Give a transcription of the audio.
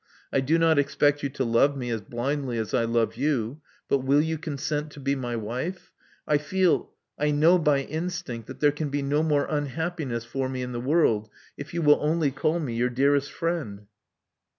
I do not expect you to love me as blindly as I love you ; but will you consent to be my wife? I feel — I know by instinct that there can be no more unhappiness for me in the world if you will only call me your dearest friend."